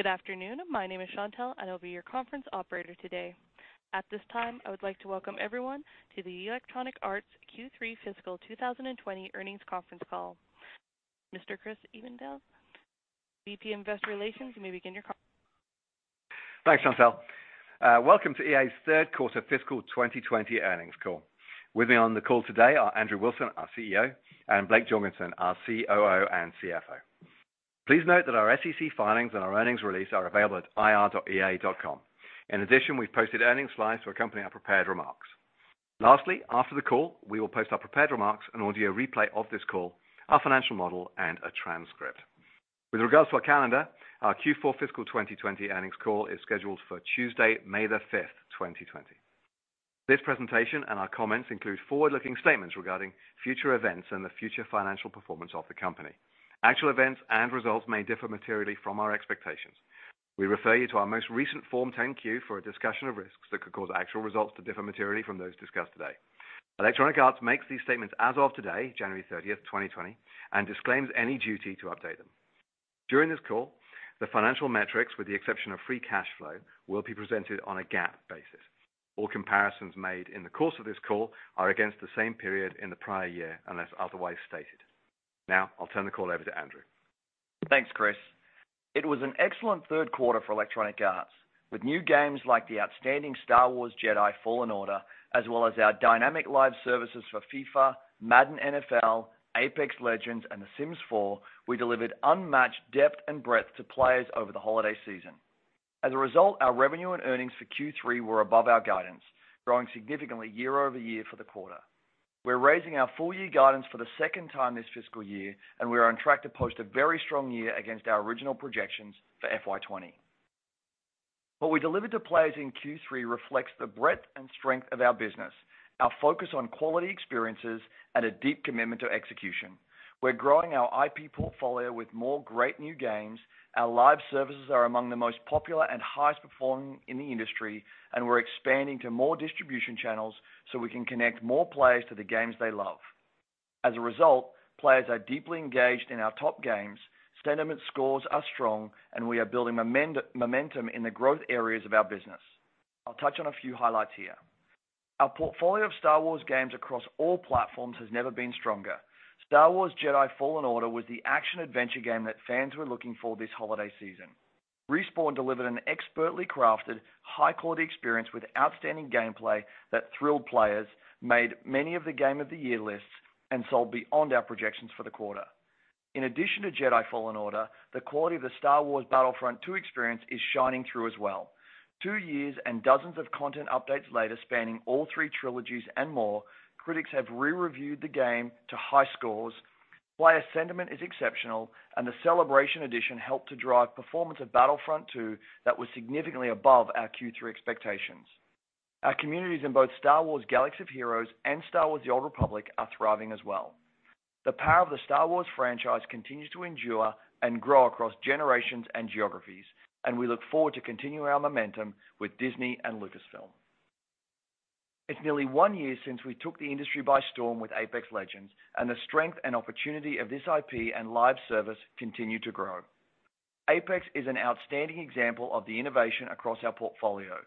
Good afternoon. My name is Chantal, and I'll be your conference operator today. At this time, I would like to welcome everyone to the Electronic Arts Q3 Fiscal 2020 earnings conference call. Mr. Chris Evenden, VP Investor Relations, you may begin your call. Thanks, Chantal. Welcome to EA's third quarter fiscal 2020 earnings call. With me on the call today are Andrew Wilson, our CEO, and Blake Jorgensen, our COO and CFO. Please note that our SEC filings and our earnings release are available at ir.ea.com. We've posted earnings slides to accompany our prepared remarks. After the call, we will post our prepared remarks, an audio replay of this call, our financial model, and a transcript. With regards to our calendar, our Q4 fiscal 2020 earnings call is scheduled for Tuesday, May the 5th, 2020. This presentation and our comments include forward-looking statements regarding future events and the future financial performance of the company. Actual events and results may differ materially from our expectations. We refer you to our most recent Form 10-Q for a discussion of risks that could cause actual results to differ materially from those discussed today. Electronic Arts makes these statements as of today, January 30th, 2020, and disclaims any duty to update them. During this call, the financial metrics, with the exception of free cash flow, will be presented on a GAAP basis. All comparisons made in the course of this call are against the same period in the prior year, unless otherwise stated. I'll turn the call over to Andrew. Thanks, Chris. It was an excellent third quarter for Electronic Arts. With new games like the outstanding Star Wars Jedi: Fallen Order, as well as our dynamic live services for FIFA, Madden NFL, Apex Legends, and The Sims 4, we delivered unmatched depth and breadth to players over the holiday season. Our revenue and earnings for Q3 were above our guidance, growing significantly year-over-year for the quarter. We're raising our full-year guidance for the second time this fiscal year. We are on track to post a very strong year against our original projections for FY 2020. What we delivered to players in Q3 reflects the breadth and strength of our business, our focus on quality experiences, and a deep commitment to execution. We're growing our IP portfolio with more great new games. Our live services are among the most popular and highest performing in the industry, and we're expanding to more distribution channels so we can connect more players to the games they love. As a result, players are deeply engaged in our top games, sentiment scores are strong, and we are building momentum in the growth areas of our business. I'll touch on a few highlights here. Our portfolio of Star Wars games across all platforms has never been stronger. Star Wars Jedi: Fallen Order was the action-adventure game that fans were looking for this holiday season. Respawn delivered an expertly crafted, high-quality experience with outstanding gameplay that thrilled players, made many of the game of the year lists, and sold beyond our projections for the quarter. In addition to Jedi: Fallen Order, the quality of the Star Wars Battlefront II experience is shining through as well. Two years and dozens of content updates later, spanning all three trilogies and more, critics have re-reviewed the game to high scores, player sentiment is exceptional, and the Celebration Edition helped to drive performance of Battlefront II that was significantly above our Q3 expectations. Our communities in both Star Wars: Galaxy of Heroes and Star Wars: The Old Republic are thriving as well. The power of the Star Wars franchise continues to endure and grow across generations and geographies, and we look forward to continuing our momentum with Disney and Lucasfilm. It's nearly one year since we took the industry by storm with Apex Legends, and the strength and opportunity of this IP and live service continue to grow. Apex is an outstanding example of the innovation across our portfolio.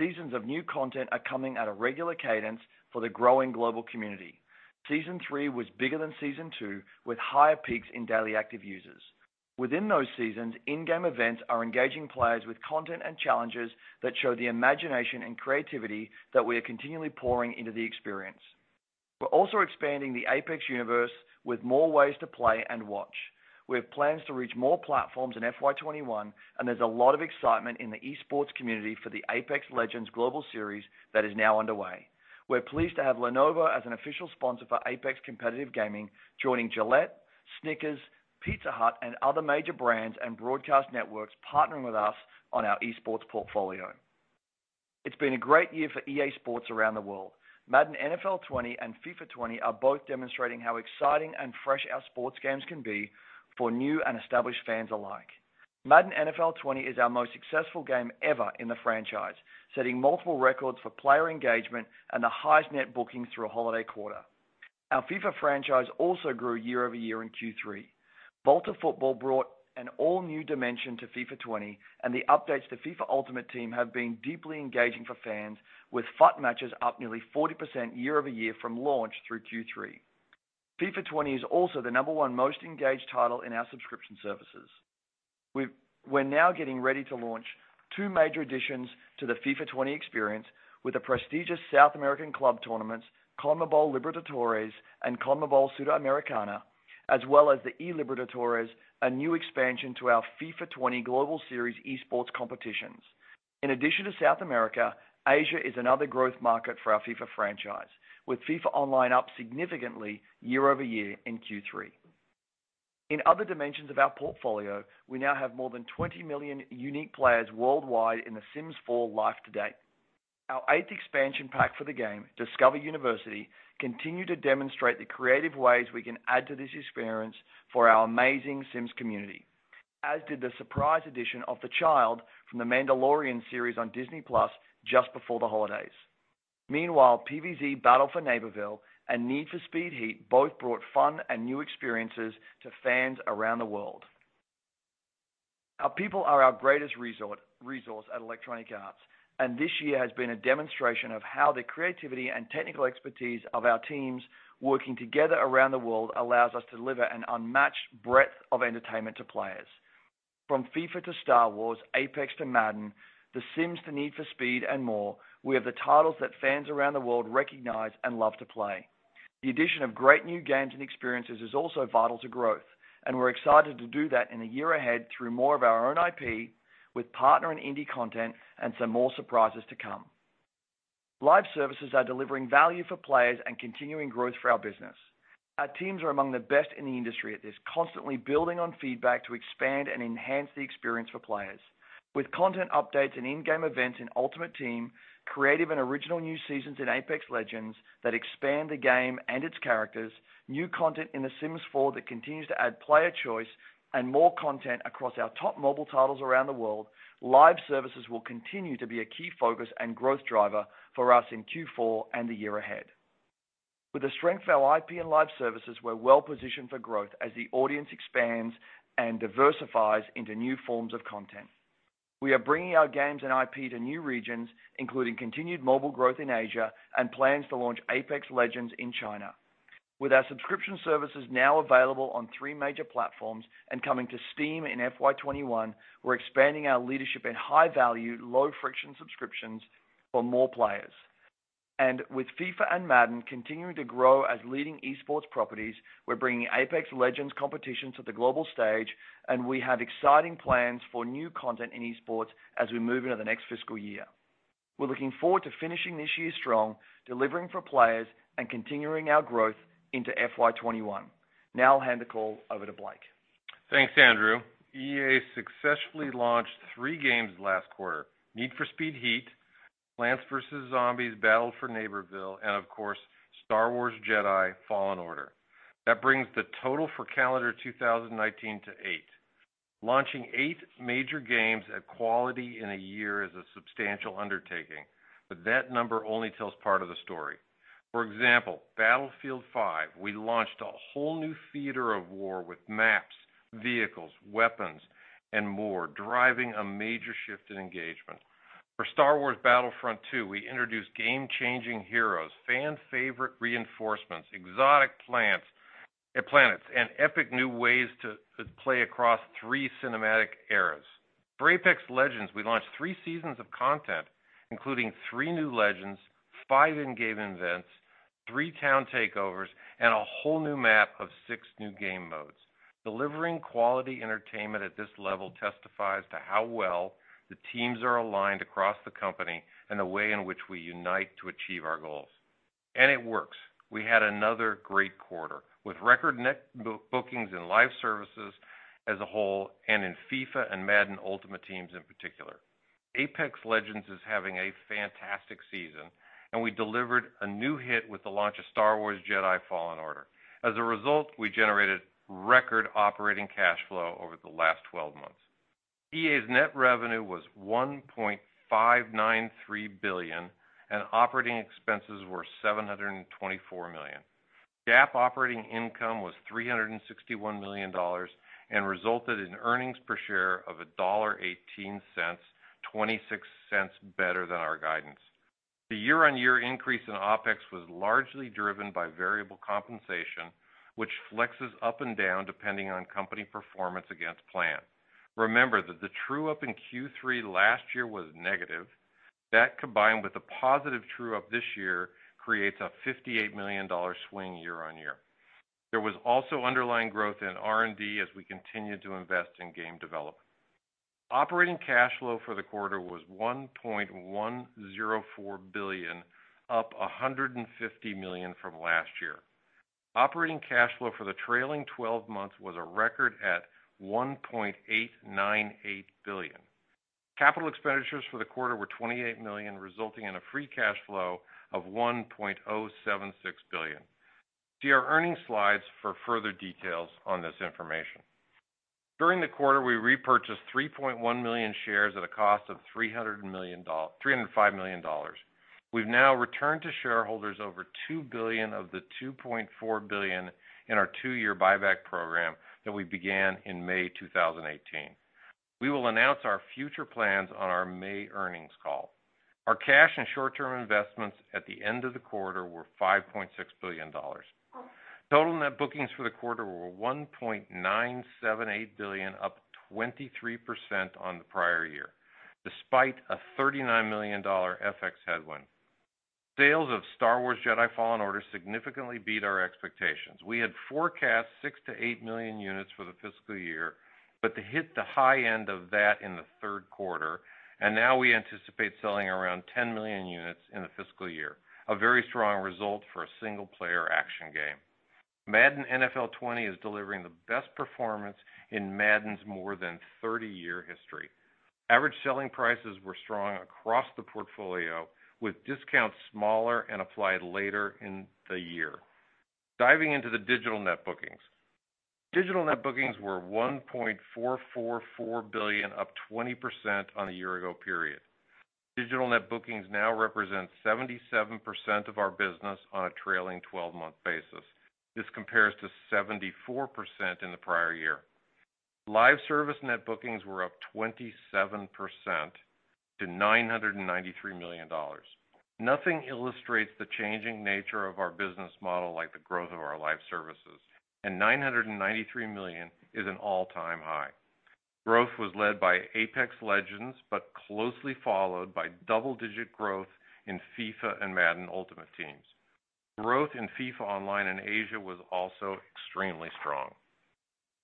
Seasons of new content are coming at a regular cadence for the growing global community. Season III was bigger than Season II, with higher peaks in daily active users. Within those seasons, in-game events are engaging players with content and challenges that show the imagination and creativity that we are continually pouring into the experience. We're also expanding the Apex universe with more ways to play and watch. We have plans to reach more platforms in FY 2021, and there's a lot of excitement in the esports community for the Apex Legends Global Series that is now underway. We're pleased to have Lenovo as an official sponsor for Apex competitive gaming, joining Gillette, Snickers, Pizza Hut, and other major brands and broadcast networks partnering with us on our esports portfolio. It's been a great year for EA Sports around the world. Madden NFL 20 and FIFA 20 are both demonstrating how exciting and fresh our sports games can be for new and established fans alike. Madden NFL 20 is our most successful game ever in the franchise, setting multiple records for player engagement and the highest net bookings through a holiday quarter. Our FIFA franchise also grew year-over-year in Q3. Volta Football brought an all-new dimension to FIFA 20, and the updates to FIFA Ultimate Team have been deeply engaging for fans, with FUT matches up nearly 40% year-over-year from launch through Q3. FIFA 20 is also the number one most engaged title in our subscription services. We're now getting ready to launch two major additions to the FIFA 20 experience with the prestigious South American club tournaments, CONMEBOL Libertadores and CONMEBOL Sudamericana, as well as the eLibertadores, a new expansion to our FIFA 20 Global Series esports competitions. In addition to South America, Asia is another growth market for our FIFA franchise, with FIFA Online up significantly year-over-year in Q3. In other dimensions of our portfolio, we now have more than 20 million unique players worldwide in The Sims 4 life to date. Our eighth expansion pack for the game, Discover University, continue to demonstrate the creative ways we can add to this experience for our amazing Sims community, as did the surprise edition of The Child from The Mandalorian series on Disney+ just before the holidays. Meanwhile, PvZ: Battle for Neighborville and Need for Speed Heat both brought fun and new experiences to fans around the world. Our people are our greatest resource at Electronic Arts, and this year has been a demonstration of how the creativity and technical expertise of our teams working together around the world allows us to deliver an unmatched breadth of entertainment to players. From FIFA to Star Wars, Apex to Madden, The Sims to Need for Speed, and more, we have the titles that fans around the world recognize and love to play. The addition of great new games and experiences is also vital to growth, and we're excited to do that in the year ahead through more of our own IP, with partner and indie content, and some more surprises to come. Live services are delivering value for players and continuing growth for our business. Our teams are among the best in the industry at this, constantly building on feedback to expand and enhance the experience for players. With content updates and in-game events in Ultimate Team, creative and original new seasons in Apex Legends that expand the game and its characters, new content in The Sims 4 that continues to add player choice, and more content across our top mobile titles around the world, live services will continue to be a key focus and growth driver for us in Q4 and the year ahead. With the strength of our IP and live services, we're well-positioned for growth as the audience expands and diversifies into new forms of content. We are bringing our games and IP to new regions, including continued mobile growth in Asia and plans to launch Apex Legends in China. With our subscription services now available on three major platforms and coming to Steam in FY 2021, we're expanding our leadership in high-value, low-friction subscriptions for more players. With FIFA and Madden continuing to grow as leading esports properties, we're bringing Apex Legends competition to the global stage, and we have exciting plans for new content in esports as we move into the next fiscal year. We're looking forward to finishing this year strong, delivering for players, and continuing our growth into FY 2021. Now I'll hand the call over to Blake. Thanks, Andrew. EA successfully launched three games last quarter: Need for Speed Heat, Plants vs. Zombies: Battle for Neighborville, and of course, Star Wars Jedi: Fallen Order. That brings the total for calendar 2019 to eight. Launching eight major games at quality in a year is a substantial undertaking, but that number only tells part of the story. For example, Battlefield V, we launched a whole new theater of war with maps, vehicles, weapons, and more, driving a major shift in engagement. For Star Wars Battlefront II, we introduced game-changing heroes, fan-favorite reinforcements, exotic planets, and epic new ways to play across three cinematic eras. For Apex Legends, we launched three seasons of content, including three new legends, five in-game events, three town takeovers, and a whole new map of six new game modes. Delivering quality entertainment at this level testifies to how well the teams are aligned across the company and the way in which we unite to achieve our goals. It works. We had another great quarter, with record net bookings in live services as a whole, and in FIFA and Madden Ultimate Team in particular. Apex Legends is having a fantastic season, and we delivered a new hit with the launch of Star Wars Jedi: Fallen Order. As a result, we generated record operating cash flow over the last 12 months. EA's net revenue was $1.593 billion, and operating expenses were $724 million. GAAP operating income was $361 million and resulted in earnings per share of $1.18, $0.26 better than our guidance. The year-over-year increase in OpEx was largely driven by variable compensation, which flexes up and down depending on company performance against plan. Remember that the true-up in Q3 last year was negative. That, combined with the positive true-up this year, creates a $58 million swing year-on-year. There was also underlying growth in R&D as we continued to invest in game development. Operating cash flow for the quarter was $1.104 billion, up $150 million from last year. Operating cash flow for the trailing 12 months was a record at $1.898 billion. Capital expenditures for the quarter were $28 million, resulting in a free cash flow of $1.076 billion. See our earnings slides for further details on this information. During the quarter, we repurchased 3.1 million shares at a cost of $305 million. We've now returned to shareholders over $2 billion of the $2.4 billion in our two-year buyback program that we began in May 2018. We will announce our future plans on our May earnings call. Our cash and short-term investments at the end of the quarter were $5.6 billion. Total net bookings for the quarter were $1.978 billion, up 23% on the prior year, despite a $39 million FX headwind. Sales of Star Wars Jedi: Fallen Order significantly beat our expectations. We had forecast 6 million-8 million units for the fiscal year, but they hit the high end of that in the third quarter, and now we anticipate selling around 10 million units in the fiscal year, a very strong result for a single-player action game. Madden NFL 20 is delivering the best performance in Madden's more than 30-year history. Average selling prices were strong across the portfolio, with discounts smaller and applied later in the year. Digital net bookings were $1.444 billion, up 20% on the year-ago period. Digital net bookings now represent 77% of our business on a trailing 12-month basis. This compares to 74% in the prior year. Live service net bookings were up 27% to $993 million. Nothing illustrates the changing nature of our business model like the growth of our live services, and $993 million is an all-time high. Growth was led by Apex Legends, but closely followed by double-digit growth in FIFA and Madden Ultimate Team. Growth in FIFA Online in Asia was also extremely strong.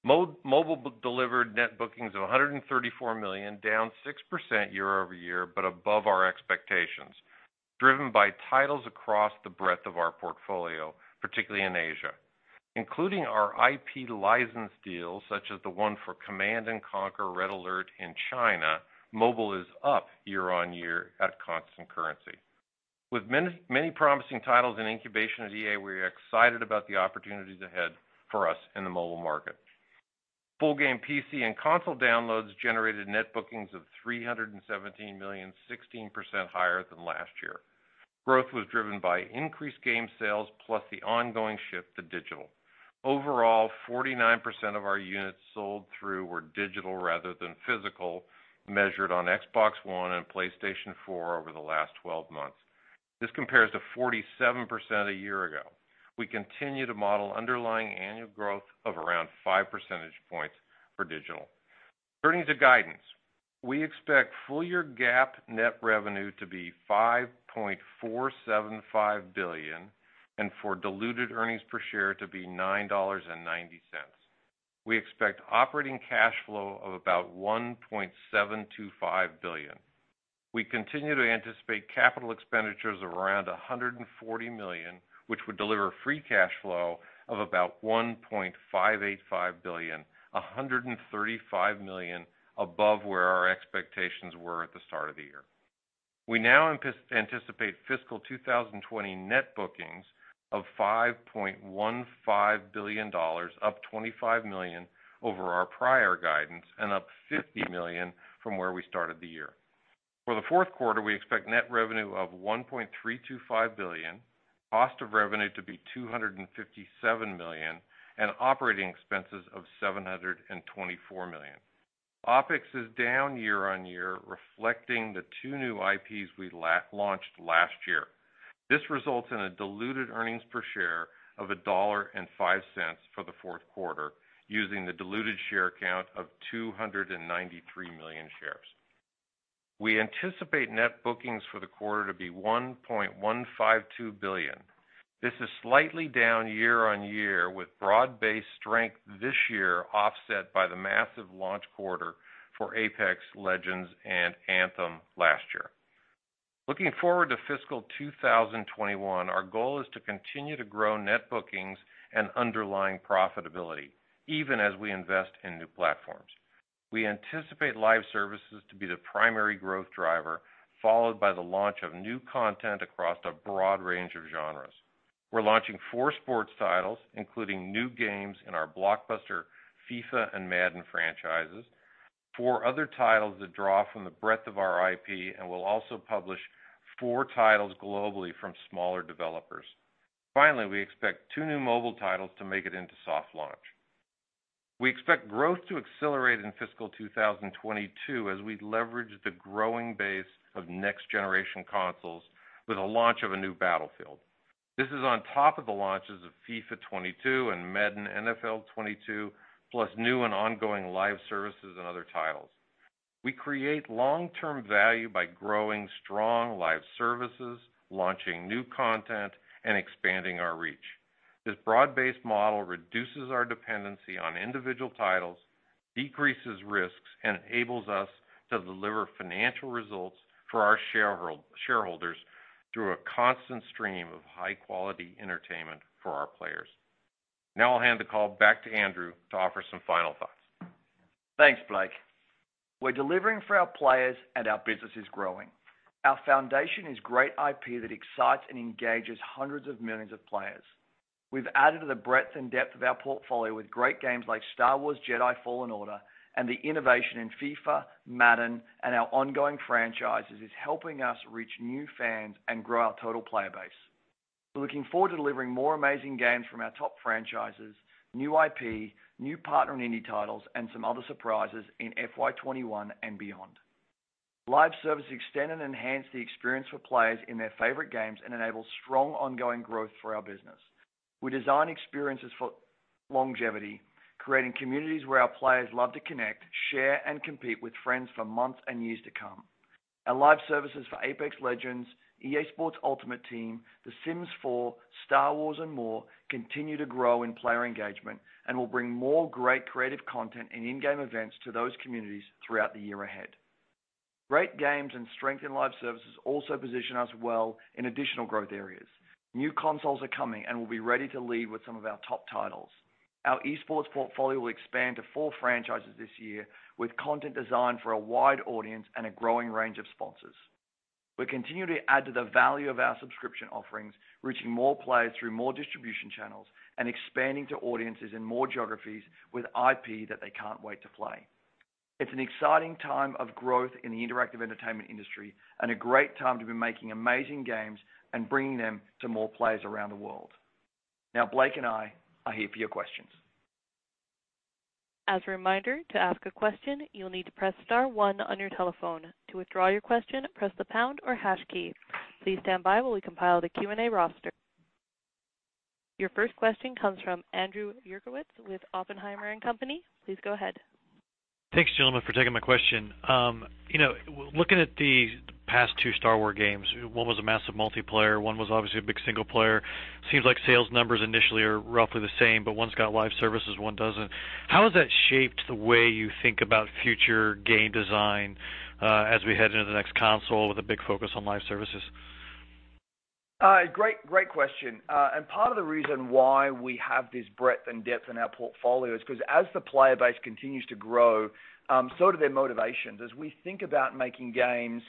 Mobile delivered net bookings of $134 million, down 6% year-over-year, but above our expectations, driven by titles across the breadth of our portfolio, particularly in Asia. Including our IP license deals, such as the one for Command & Conquer: Red Alert in China, mobile is up year-on-year at constant currency. With many promising titles in incubation at EA, we are excited about the opportunities ahead for us in the mobile market. Full game PC and console downloads generated net bookings of $317 million, 16% higher than last year. Growth was driven by increased game sales plus the ongoing shift to digital. Overall, 49% of our units sold through were digital rather than physical, measured on Xbox One and PlayStation 4 over the last 12 months. This compares to 47% a year ago. We continue to model underlying annual growth of around 5 percentage points for digital. Turning to guidance. We expect full-year GAAP net revenue to be $5.475 billion and for diluted earnings per share to be $9.90. We expect operating cash flow of about $1.725 billion. We continue to anticipate capital expenditures around $140 million, which would deliver free cash flow of about $1.585 billion, $135 million above where our expectations were at the start of the year. We now anticipate fiscal 2020 net bookings of $5.15 billion, up $25 million over our prior guidance and up $50 million from where we started the year. For the fourth quarter, we expect net revenue of $1.325 billion, cost of revenue to be $257 million, and operating expenses of $724 million. OpEx is down year-on-year, reflecting the two new IPs we launched last year. This results in a diluted earnings per share of $1.05 for the fourth quarter, using the diluted share count of 293 million shares. We anticipate net bookings for the quarter to be $1.152 billion. This is slightly down year-on-year, with broad-based strength this year offset by the massive launch quarter for Apex Legends and Anthem last year. Looking forward to fiscal 2021, our goal is to continue to grow net bookings and underlying profitability, even as we invest in new platforms. We anticipate live services to be the primary growth driver, followed by the launch of new content across a broad range of genres. We're launching four sports titles, including new games in our blockbuster FIFA and Madden franchises, four other titles that draw from the breadth of our IP, and we'll also publish four titles globally from smaller developers. Finally, we expect two new mobile titles to make it into soft launch. We expect growth to accelerate in fiscal 2022 as we leverage the growing base of next-generation consoles with the launch of a new Battlefield. This is on top of the launches of FIFA 22 and Madden NFL 22, plus new and ongoing live services and other titles. We create long-term value by growing strong live services, launching new content, and expanding our reach. This broad-based model reduces our dependency on individual titles, decreases risks, and enables us to deliver financial results for our shareholders through a constant stream of high-quality entertainment for our players. Now I'll hand the call back to Andrew to offer some final thoughts. Thanks, Blake. We're delivering for our players and our business is growing. Our foundation is great IP that excites and engages hundreds of millions of players. We've added to the breadth and depth of our portfolio with great games like Star Wars Jedi: Fallen Order, and the innovation in FIFA, Madden, and our ongoing franchises is helping us reach new fans and grow our total player base. We're looking forward to delivering more amazing games from our top franchises, new IP, new partner and indie titles, and some other surprises in FY 2021 and beyond. Live services extend and enhance the experience for players in their favorite games and enable strong ongoing growth for our business. We design experiences for longevity, creating communities where our players love to connect, share, and compete with friends for months and years to come. Our live services for Apex Legends, EA Sports Ultimate Team, The Sims 4, Star Wars, and more continue to grow in player engagement, and we'll bring more great creative content and in-game events to those communities throughout the year ahead. Great games and strength in live services also position us well in additional growth areas. New consoles are coming, and we'll be ready to lead with some of our top titles. Our Esports portfolio will expand to four franchises this year, with content designed for a wide audience and a growing range of sponsors. We're continuing to add to the value of our subscription offerings, reaching more players through more distribution channels, and expanding to audiences in more geographies with IP that they can't wait to play. It's an exciting time of growth in the interactive entertainment industry and a great time to be making amazing games and bringing them to more players around the world. Now, Blake and I are here for your questions. As a reminder, to ask a question, you'll need to press star one on your telephone. To withdraw your question, press the pound or hash key. Please stand by while we compile the Q&A roster. Your first question comes from Andrew Uerkwitz with Oppenheimer & Company. Please go ahead. Thanks, gentlemen, for taking my question. Looking at the past two Star Wars games, one was a massive multiplayer, one was obviously a big single player. Seems like sales numbers initially are roughly the same. One's got live services, one doesn't. How has that shaped the way you think about future game design as we head into the next console with a big focus on live services? Great question. Part of the reason why we have this breadth and depth in our portfolio is because as the player base continues to grow, so do their motivations. As we think about making games,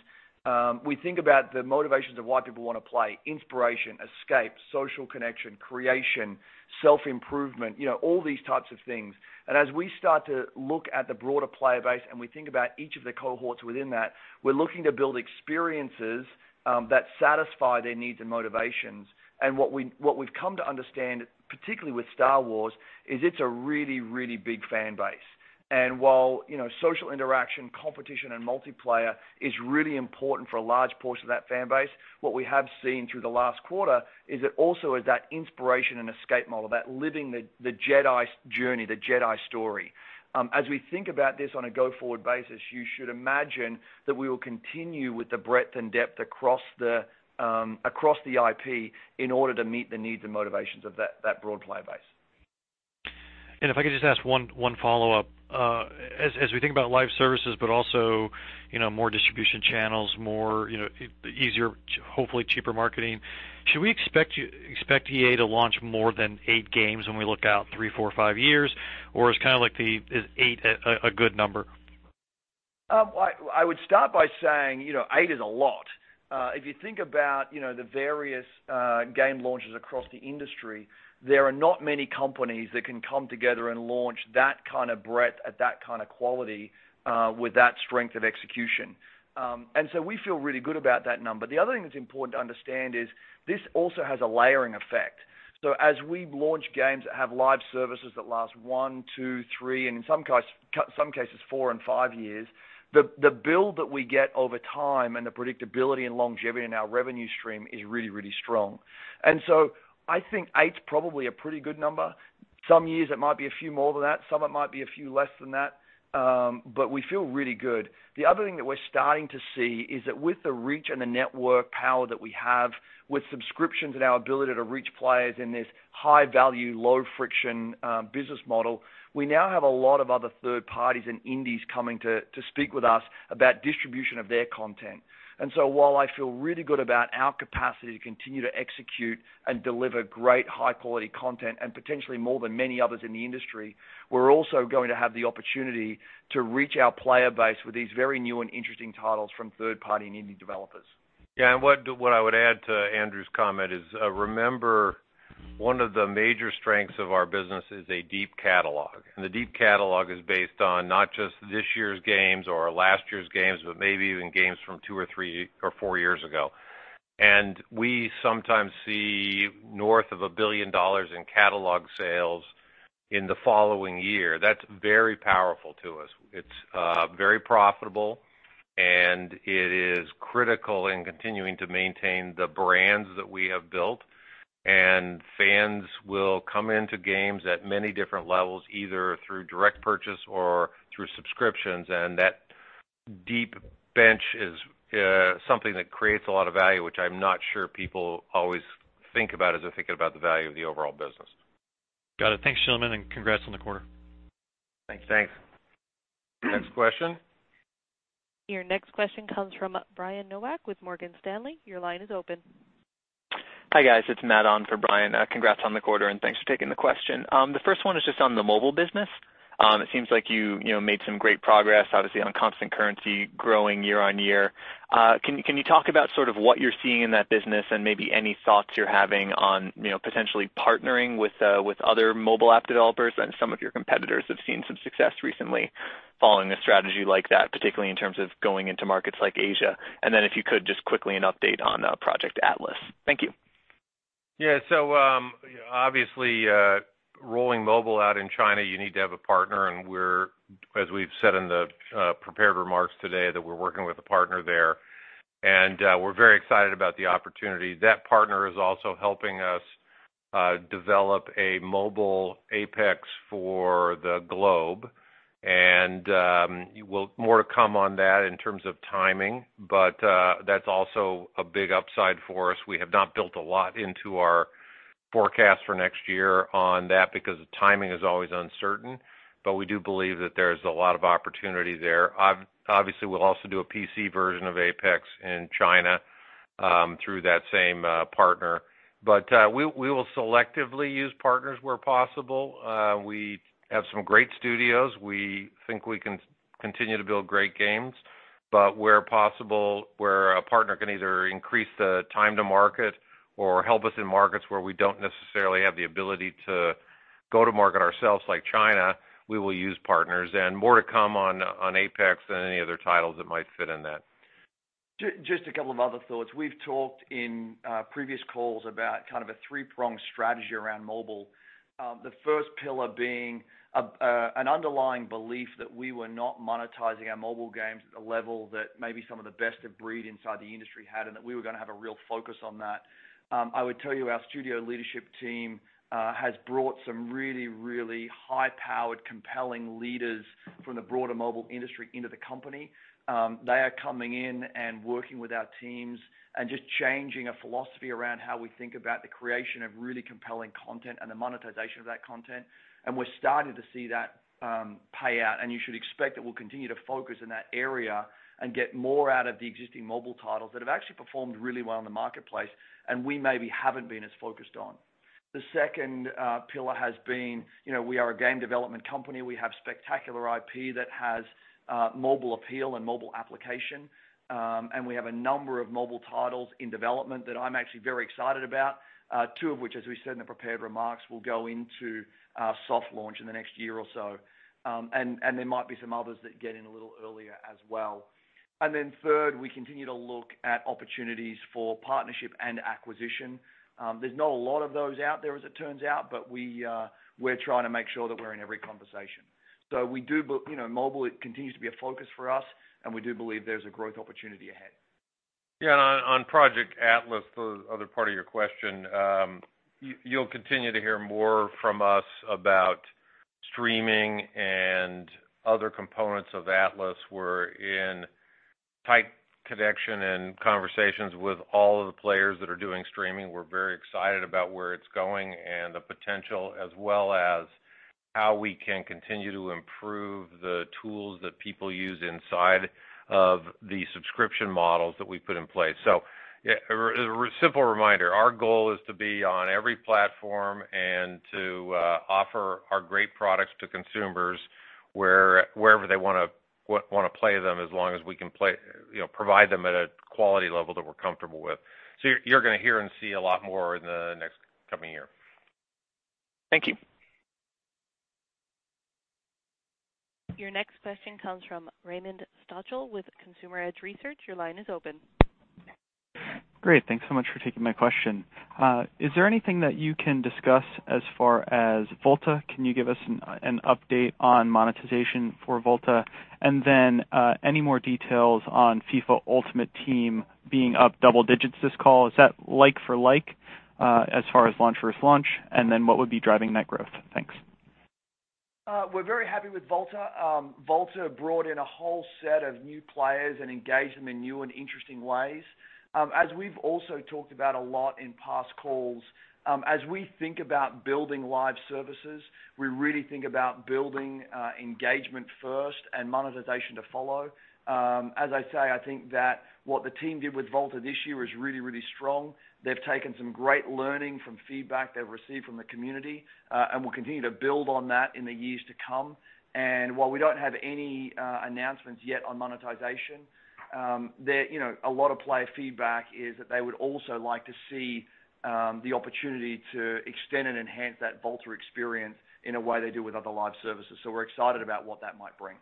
we think about the motivations of why people want to play, inspiration, escape, social connection, creation, self-improvement, all these types of things. As we start to look at the broader player base and we think about each of the cohorts within that, we're looking to build experiences that satisfy their needs and motivations. What we've come to understand, particularly with Star Wars, is it's a really big fan base. While social interaction, competition, and multiplayer is really important for a large portion of that fan base, what we have seen through the last quarter also is that inspiration and escape model, that living the Jedi journey, the Jedi story. As we think about this on a go-forward basis, you should imagine that we will continue with the breadth and depth across the IP in order to meet the needs and motivations of that broad player base. If I could just ask one follow-up. As we think about live services, but also more distribution channels, easier, hopefully cheaper marketing, should we expect EA to launch more than eight games when we look out three, four, five years? Is eight a good number? I would start by saying, eight is a lot. If you think about the various game launches across the industry, there are not many companies that can come together and launch that kind of breadth at that kind of quality with that strength of execution. We feel really good about that number. The other thing that's important to understand is this also has a layering effect. As we launch games that have live services that last one, two, three, and in some cases, four and five years, the build that we get over time and the predictability and longevity in our revenue stream is really, really strong. I think eight's probably a pretty good number. Some years it might be a few more than that, some it might be a few less than that. We feel really good. The other thing that we're starting to see is that with the reach and the network power that we have with subscriptions and our ability to reach players in this high-value, low-friction business model, we now have a lot of other third parties and indies coming to speak with us about distribution of their content. While I feel really good about our capacity to continue to execute and deliver great high-quality content and potentially more than many others in the industry, we're also going to have the opportunity to reach our player base with these very new and interesting titles from third-party and indie developers. What I would add to Andrew's comment is, remember, one of the major strengths of our business is a deep catalog. The deep catalog is based on not just this year's games or last year's games, but maybe even games from two or three or four years ago. We sometimes see north of $1 billion in catalog sales in the following year. That's very powerful to us. It's very profitable, and it is critical in continuing to maintain the brands that we have built. Fans will come into games at many different levels, either through direct purchase or through subscriptions. That deep bench is something that creates a lot of value, which I'm not sure people always think about as they're thinking about the value of the overall business. Got it. Thanks, gentlemen, and congrats on the quarter. Thanks. Thanks. Next question? Your next question comes from Brian Nowak with Morgan Stanley. Your line is open. Hi, guys. It's Matt on for Brian. Congrats on the quarter, and thanks for taking the question. The first one is just on the mobile business. It seems like you made some great progress, obviously on constant currency growing year-on-year. Can you talk about sort of what you're seeing in that business and maybe any thoughts you're having on potentially partnering with other mobile app developers? Some of your competitors have seen some success recently following a strategy like that, particularly in terms of going into markets like Asia. If you could, just quickly an update on Project Atlas. Thank you. Yeah. Obviously, rolling mobile out in China, you need to have a partner, and as we've said in the prepared remarks today, that we're working with a partner there. We're very excited about the opportunity. That partner is also helping us develop a mobile Apex for the globe. More to come on that in terms of timing, but that's also a big upside for us. We have not built a lot into our forecast for next year on that because the timing is always uncertain, but we do believe that there's a lot of opportunity there. Obviously, we'll also do a PC version of Apex in China through that same partner. We will selectively use partners where possible. We have some great studios. We think we can continue to build great games, but where possible, where a partner can either increase the time to market or help us in markets where we don't necessarily have the ability to go to market ourselves, like China, we will use partners. More to come on Apex than any other titles that might fit in that. Just a couple of other thoughts. We've talked in previous calls about kind of a three-pronged strategy around mobile. The first pillar being an underlying belief that we were not monetizing our mobile games at the level that maybe some of the best of breed inside the industry had, and that we were going to have a real focus on that. I would tell you our studio leadership team has brought some really, really high-powered, compelling leaders from the broader mobile industry into the company. They are coming in and working with our teams and just changing a philosophy around how we think about the creation of really compelling content and the monetization of that content. We're starting to see that pay out, and you should expect that we'll continue to focus in that area and get more out of the existing mobile titles that have actually performed really well in the marketplace, and we maybe haven't been as focused on. The second pillar has been, we are a game development company. We have spectacular IP that has mobile appeal and mobile application. We have a number of mobile titles in development that I'm actually very excited about. Two of which, as we said in the prepared remarks, will go into soft launch in the next year or so. There might be some others that get in a little earlier as well. Third, we continue to look at opportunities for partnership and acquisition. There's not a lot of those out there, as it turns out, but we're trying to make sure that we're in every conversation. Mobile continues to be a focus for us, and we do believe there's a growth opportunity ahead. Yeah, on Project Atlas, the other part of your question. You'll continue to hear more from us about streaming and other components of Atlas. We're in tight connection and conversations with all of the players that are doing streaming. We're very excited about where it's going and the potential, as well as how we can continue to improve the tools that people use inside of the subscription models that we put in place. A simple reminder, our goal is to be on every platform and to offer our great products to consumers wherever they want to play them, as long as we can provide them at a quality level that we're comfortable with. You're going to hear and see a lot more in the next coming year. Thank you. Your next question comes from Raymond Stochel with Consumer Edge Research. Your line is open. Great. Thanks so much for taking my question. Is there anything that you can discuss as far as Volta? Can you give us an update on monetization for Volta? Any more details on FIFA Ultimate Team being up double digits this call? Is that like for like as far as launch versus launch? What would be driving that growth? Thanks. We're very happy with Volta. Volta brought in a whole set of new players and engaged them in new and interesting ways. As we've also talked about a lot in past calls, as we think about building live services, we really think about building engagement first and monetization to follow. As I say, I think that what the team did with Volta this year is really, really strong. They've taken some great learning from feedback they've received from the community, and we'll continue to build on that in the years to come. While we don't have any announcements yet on monetization, a lot of player feedback is that they would also like to see the opportunity to extend and enhance that Volta experience in a way they do with other live services. We're excited about what that might bring.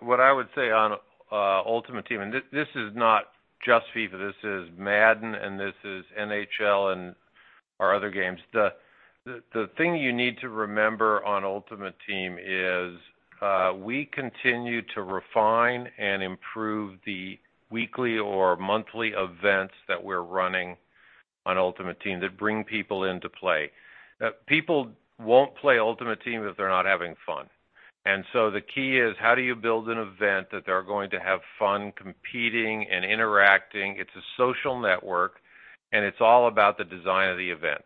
What I would say on Ultimate Team, and this is not just FIFA, this is Madden, and this is NHL and our other games. The thing you need to remember on Ultimate Team is we continue to refine and improve the weekly or monthly events that we're running on Ultimate Team that bring people into play. People won't play Ultimate Team if they're not having fun. The key is, how do you build an event that they're going to have fun competing and interacting? It's a social network, and it's all about the design of the events.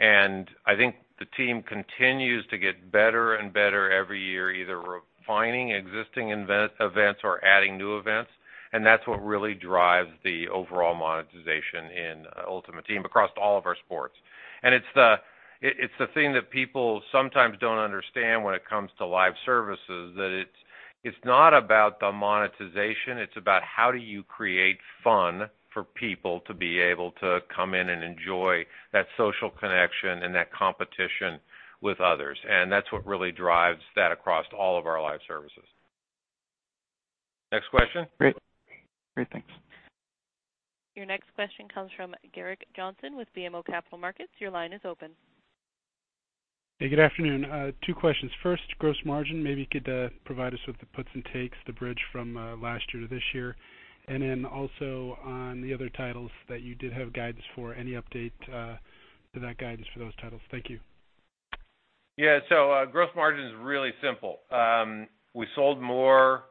I think the team continues to get better and better every year, either refining existing events or adding new events, and that's what really drives the overall monetization in Ultimate Team across all of our sports. It's the thing that people sometimes don't understand when it comes to live services, that it's not about the monetization, it's about how do you create fun for people to be able to come in and enjoy that social connection and that competition with others. That's what really drives that across all of our live services. Next question. Great. Thanks. Your next question comes from Gerrick Johnson with BMO Capital Markets. Your line is open. Hey, good afternoon. Two questions. First, gross margin. Maybe you could provide us with the puts and takes, the bridge from last year to this year. Then also on the other titles that you did have guidance for, any update to that guidance for those titles? Thank you. Yeah. Gross margin is really simple. We sold more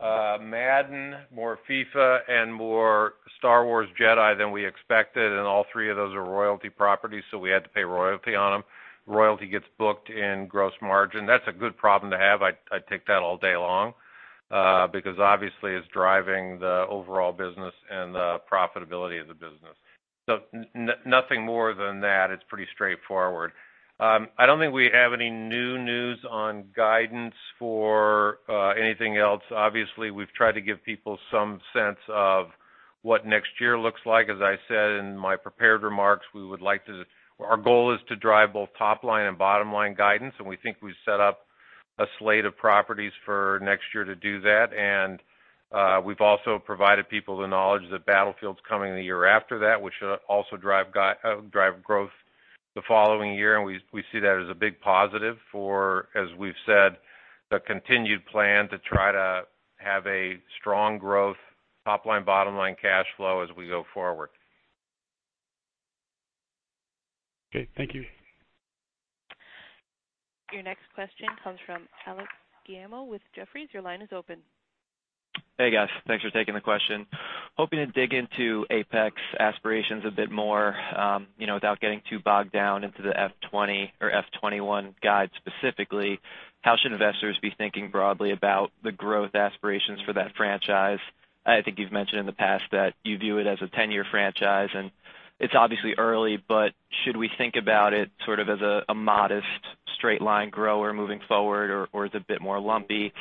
Madden, more FIFA, and more Star Wars Jedi than we expected, and all three of those are royalty properties, so we had to pay royalty on them. Royalty gets booked in gross margin. That's a good problem to have. I'd take that all day long. Obviously it's driving the overall business and the profitability of the business. Nothing more than that. It's pretty straightforward. I don't think we have any new news on guidance for anything else. Obviously, we've tried to give people some sense of what next year looks like. As I said in my prepared remarks, our goal is to drive both top-line and bottom-line guidance, and we think we've set up a slate of properties for next year to do that. We've also provided people the knowledge that Battlefield's coming the year after that, which should also drive growth the following year. We see that as a big positive for, as we've said, the continued plan to try to have a strong growth top line, bottom line cash flow as we go forward. Okay, thank you. Your next question comes from Alex Giaimo with Jefferies. Your line is open. Hey, guys. Thanks for taking the question. Hoping to dig into Apex aspirations a bit more. Without getting too bogged down into the FY 2020 or FY 2021 guide specifically, how should investors be thinking broadly about the growth aspirations for that franchise? I think you've mentioned in the past that you view it as a 10-year franchise. It's obviously early, but should we think about it sort of as a modest straight-line grower moving forward or is it a bit more lumpy?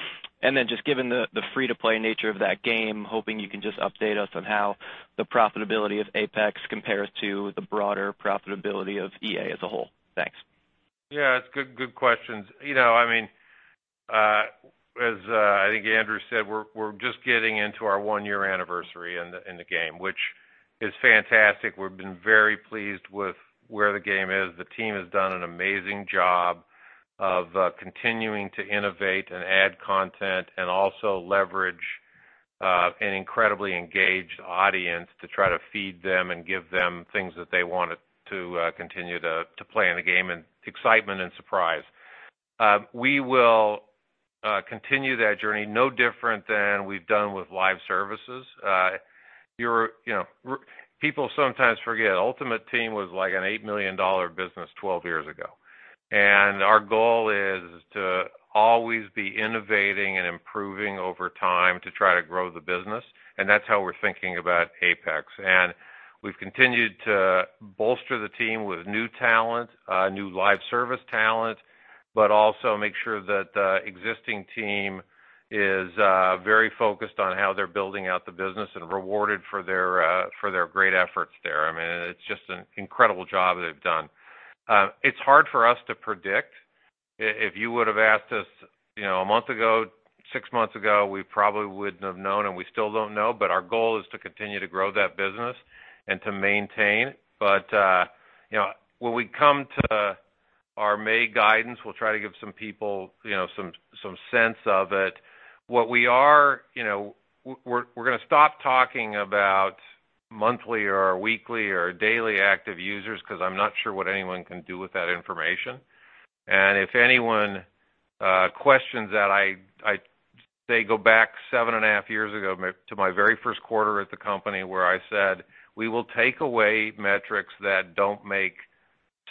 Just given the free-to-play nature of that game, hoping you can just update us on how the profitability of Apex compares to the broader profitability of EA as a whole. Thanks. Yeah, it's good questions. As I think Andrew said, we're just getting into our one-year anniversary in the game, which is fantastic. We've been very pleased with where the game is. The team has done an amazing job of continuing to innovate and add content and also leverage an incredibly engaged audience to try to feed them and give them things that they want to continue to play in the game and excitement and surprise. We will continue that journey, no different than we've done with live services. People sometimes forget Ultimate Team was like an $8 million business 12 years ago. Our goal is to always be innovating and improving over time to try to grow the business, and that's how we're thinking about Apex. We've continued to bolster the team with new talent, new live service talent, but also make sure that the existing team is very focused on how they're building out the business and rewarded for their great efforts there. It's just an incredible job they've done. It's hard for us to predict. If you would've asked us a month ago, six months ago, we probably wouldn't have known, and we still don't know. Our goal is to continue to grow that business and to maintain. When we come to our May guidance, we'll try to give some people some sense of it. We're going to stop talking about monthly or weekly or daily active users because I'm not sure what anyone can do with that information. If anyone questions that, they go back seven and a half years ago to my very first quarter at the company where I said we will take away metrics that don't make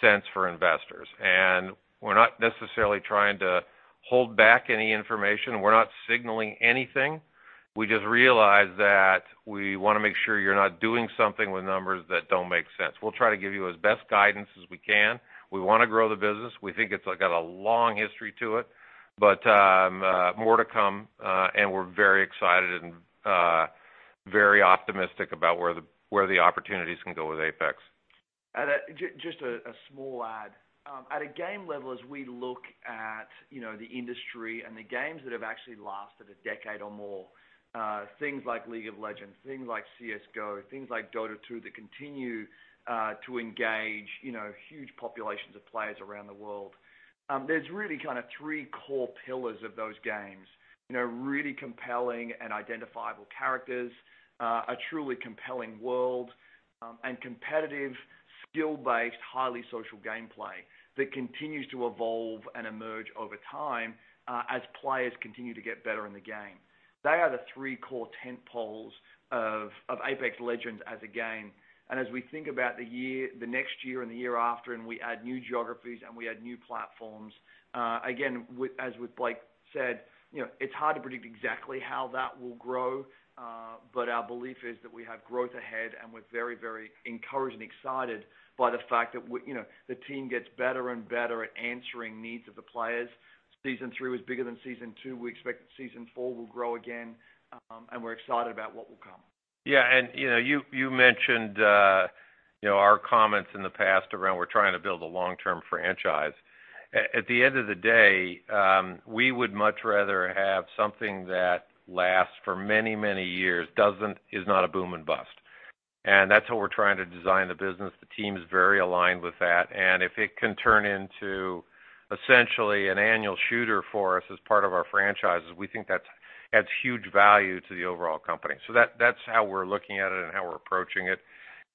sense for investors. We're not necessarily trying to hold back any information. We're not signaling anything. We just realize that we want to make sure you're not doing something with numbers that don't make sense. We'll try to give you as best guidance as we can. We want to grow the business. We think it's got a long history to it, but more to come. We're very excited and very optimistic about where the opportunities can go with Apex. Just a small add. At a game level, as we look at the industry and the games that have actually lasted a decade or more, things like League of Legends, things like CS:GO, things like Dota 2 that continue to engage huge populations of players around the world. There's really kind of three core pillars of those games. Really compelling and identifiable characters, a truly compelling world, and competitive, skill-based, highly social gameplay that continues to evolve and emerge over time as players continue to get better in the game. They are the three core tent poles of Apex Legends as a game. As we think about the next year and the year after, and we add new geographies and we add new platforms, again, as Blake said, it's hard to predict exactly how that will grow. Our belief is that we have growth ahead and we're very encouraged and excited by the fact that the team gets better and better at answering needs of the players. Season 3 was bigger than Season 2. We expect that Season 4 will grow again. We're excited about what will come. Yeah. You mentioned our comments in the past around we're trying to build a long-term franchise. At the end of the day, we would much rather have something that lasts for many years, is not a boom and bust. That's what we're trying to design the business. The team is very aligned with that, and if it can turn into essentially an annual shooter for us as part of our franchises, we think that adds huge value to the overall company. That's how we're looking at it and how we're approaching it,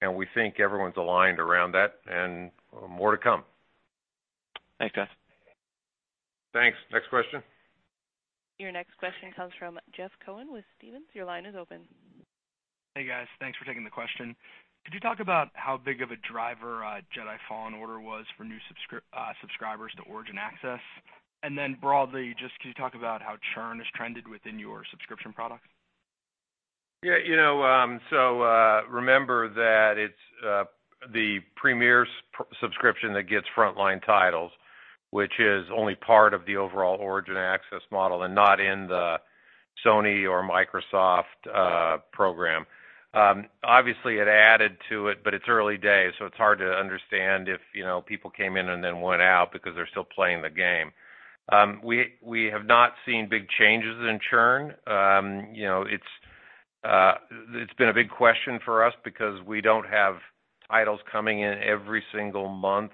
and we think everyone's aligned around that and more to come. Thanks, guys. Next question. Your next question comes from Jeff Cohen with Stephens. Your line is open. Hey, guys. Thanks for taking the question. Could you talk about how big of a driver Jedi: Fallen Order was for new subscribers to Origin Access? Broadly, just could you talk about how churn has trended within your subscription products? Remember that it's the Premier subscription that gets frontline titles, which is only part of the overall Origin Access model and not in the Sony or Microsoft program. Obviously, it added to it, but it's early days, so it's hard to understand if people came in and then went out because they're still playing the game. We have not seen big changes in churn. It's been a big question for us because we don't have titles coming in every single month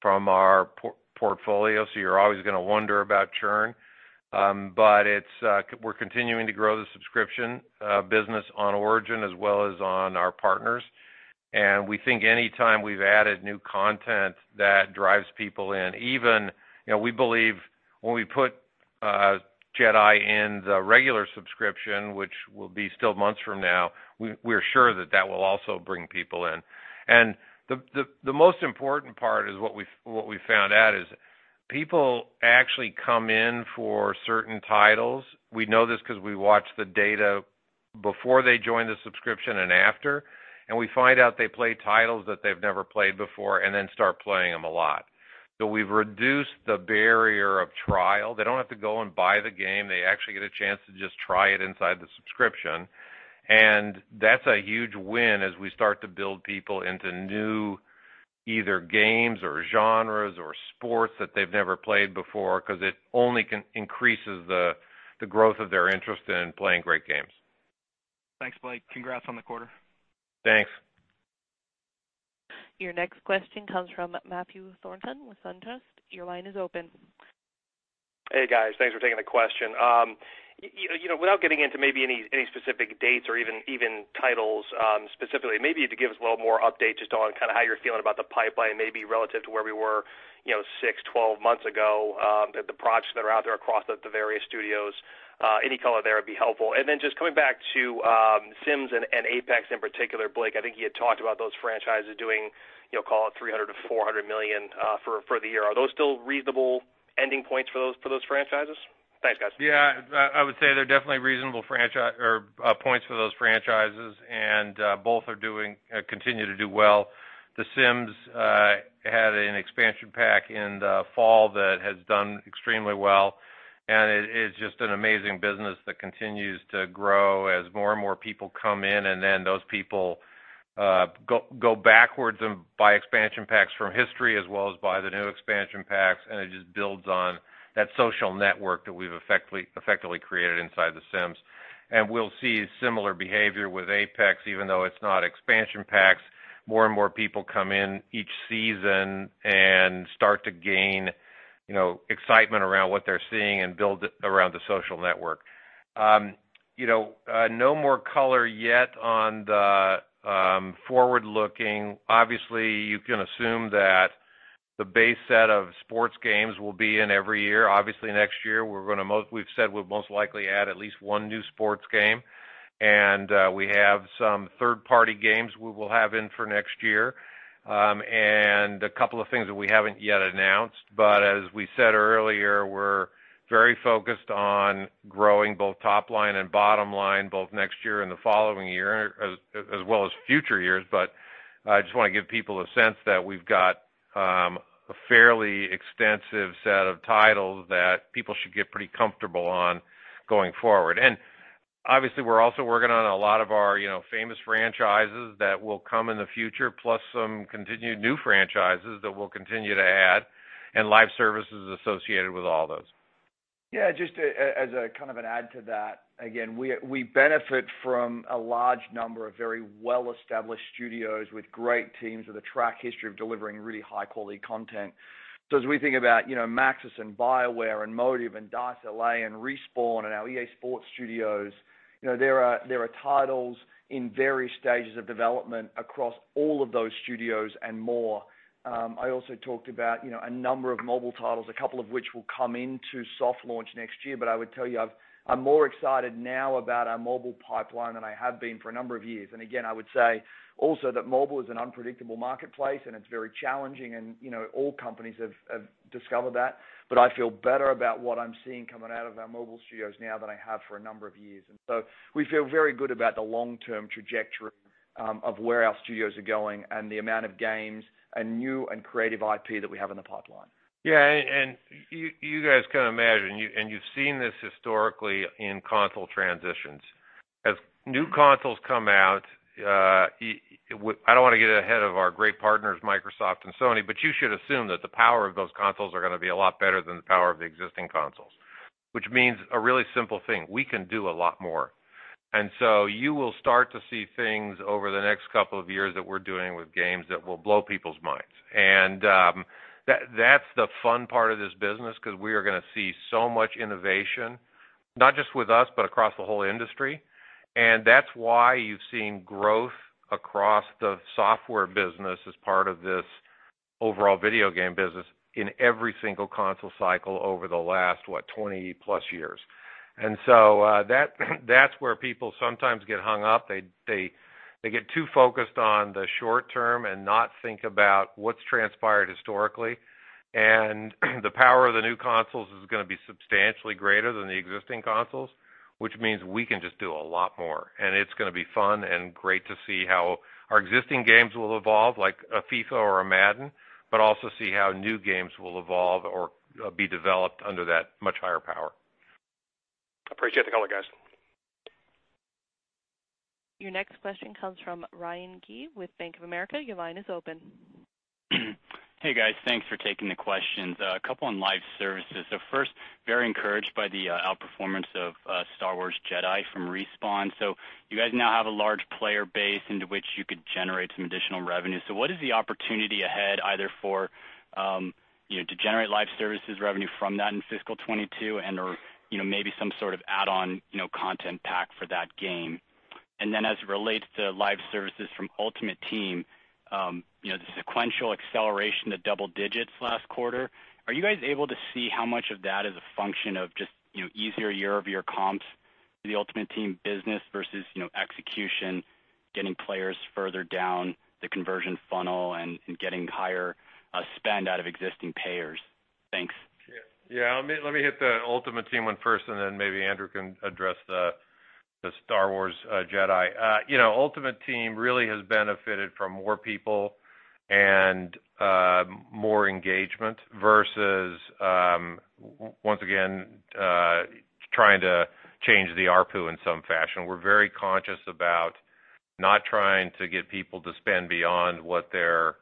from our portfolio, so you're always going to wonder about churn. We're continuing to grow the subscription business on Origin as well as on our partners. We think anytime we've added new content that drives people in, even we believe when we put Jedi in the regular subscription, which will be still months from now, we're sure that that will also bring people in. The most important part is what we found out is people actually come in for certain titles. We know this because we watch the data before they join the subscription and after, and we find out they play titles that they've never played before and then start playing them a lot. We've reduced the barrier of trial. They don't have to go and buy the game. They actually get a chance to just try it inside the subscription. That's a huge win as we start to build people into new, either games or genres or sports that they've never played before because it only increases the growth of their interest in playing great games. Thanks, Blake. Congrats on the quarter. Thanks. Your next question comes from Matthew Thornton with SunTrust. Your line is open. Hey, guys. Thanks for taking the question. Without getting into maybe any specific dates or even titles specifically, maybe if you could give us a little more update just on kind of how you're feeling about the pipeline, maybe relative to where we were 6, 12 months ago, the projects that are out there across the various studios. Any color there would be helpful. Then just coming back to Sims and Apex in particular, Blake, I think you had talked about those franchises doing call it $300 million-$400 million for the year. Are those still reasonable ending points for those franchises? Thanks, guys. Yeah, I would say they're definitely reasonable points for those franchises, and both continue to do well. The Sims had an expansion pack in the fall that has done extremely well, and it is just an amazing business that continues to grow as more and more people come in, and then those people go backwards and buy expansion packs from history as well as buy the new expansion packs, and it just builds on that social network that we've effectively created inside The Sims. We'll see similar behavior with Apex, even though it's not expansion packs. More and more people come in each season and start to gain excitement around what they're seeing and build around the social network. No more color yet on the forward-looking. Obviously, you can assume that the base set of sports games will be in every year. Obviously, next year we've said we'll most likely add at least one new sports game. We have some third-party games we will have in for next year. A couple of things that we haven't yet announced. As we said earlier, we're very focused on growing both top line and bottom line, both next year and the following year, as well as future years. I just want to give people a sense that we've got a fairly extensive set of titles that people should get pretty comfortable on going forward. Obviously, we're also working on a lot of our famous franchises that will come in the future, plus some continued new franchises that we'll continue to add and live services associated with all those. Just as a kind of an add to that, again, we benefit from a large number of very well-established studios with great teams with a track history of delivering really high-quality content. As we think about Maxis and BioWare and Motive and DICE L.A. and Respawn and our EA Sports studios, there are titles in various stages of development across all of those studios and more. I also talked about a number of mobile titles, a couple of which will come into soft launch next year. I would tell you, I'm more excited now about our mobile pipeline than I have been for a number of years. Again, I would say also that mobile is an unpredictable marketplace and it's very challenging and all companies have discovered that. I feel better about what I'm seeing coming out of our mobile studios now than I have for a number of years. We feel very good about the long-term trajectory of where our studios are going and the amount of games and new and creative IP that we have in the pipeline. You guys can imagine, and you've seen this historically in console transitions. As new consoles come out, I don't want to get ahead of our great partners, Microsoft and Sony, but you should assume that the power of those consoles are going to be a lot better than the power of the existing consoles. Which means a really simple thing. We can do a lot more. You will start to see things over the next couple of years that we're doing with games that will blow people's minds. That's the fun part of this business because we are going to see so much innovation. Not just with us, but across the whole industry. That's why you've seen growth across the software business as part of this overall video game business in every single console cycle over the last, what, 20+ years. That's where people sometimes get hung up. They get too focused on the short term and not think about what's transpired historically. The power of the new consoles is going to be substantially greater than the existing consoles, which means we can just do a lot more. It's going to be fun and great to see how our existing games will evolve, like a FIFA or a Madden, but also see how new games will evolve or be developed under that much higher power. Appreciate the color, guys. Your next question comes from Ryan Gee with Bank of America. Your line is open. Hey, guys. Thanks for taking the questions. A couple on live services. First, very encouraged by the outperformance of Star Wars Jedi from Respawn. You guys now have a large player base into which you could generate some additional revenue. What is the opportunity ahead either to generate live services revenue from that in fiscal 2022 and/or maybe some sort of add-on content pack for that game? As it relates to live services from Ultimate Team, the sequential acceleration to double digits last quarter, are you guys able to see how much of that is a function of just easier year-over-year comps to the Ultimate Team business versus execution, getting players further down the conversion funnel and getting higher spend out of existing payers? Thanks. Yeah. Let me hit the Ultimate Team one first and then maybe Andrew can address the Star Wars Jedi. Ultimate Team really has benefited from more people and more engagement versus, once again, trying to change the ARPU in some fashion. We're very conscious about not trying to get people to spend beyond what their